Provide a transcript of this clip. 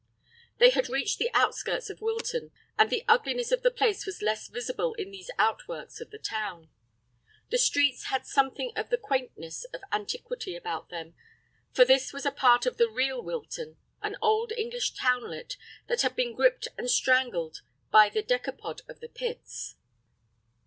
They had reached the outskirts of Wilton, and the ugliness of the place was less visible in these outworks of the town. The streets had something of the quaintness of antiquity about them, for this was a part of the real Wilton, an old English townlet that had been gripped and strangled by the decapod of the pits.